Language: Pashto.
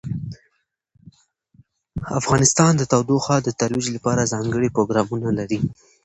افغانستان د تودوخه د ترویج لپاره ځانګړي پروګرامونه لري.